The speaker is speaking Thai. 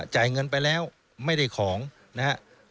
จ่ายเงินไปแล้วไม่ได้ของนะครับ